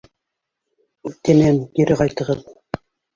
—Үтенәм, кире ҡайтығыҙ.